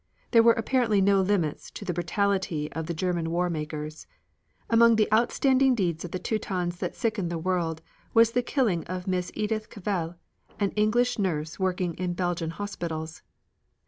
There were apparently no limits to the brutality of the German war makers. Among the outstanding deeds of the Teutons that sickened the world was the killing of Miss Edith Cavell, an English nurse working in Belgian hospitals.